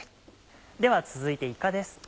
では続いていかです。